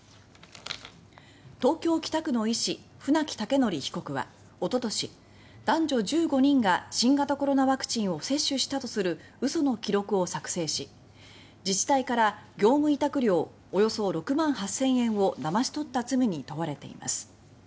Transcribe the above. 東京・北区の医師船木威徳被告はおととし、男女１５人が新型コロナワクチンを接種したとする嘘の記録を作成し自治体から業務委託料およそ６万８０００円をだまし取った罪に問われています。